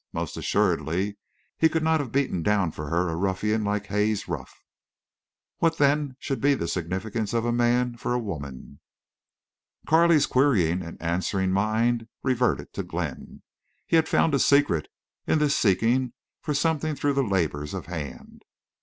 Most assuredly he could not have beaten down for her a ruffian like Haze Ruff. What then should be the significance of a man for a woman? Carley's querying and answering mind reverted to Glenn. He had found a secret in this seeking for something through the labor of hands.